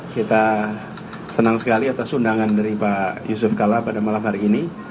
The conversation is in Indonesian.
kita senang sekali atas undangan dari pak yusuf kalla pada malam hari ini